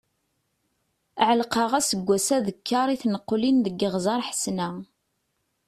Ɛelqeɣ aseggas-a dekkeṛ i tneqlin deg Iɣzeṛ Ḥesna.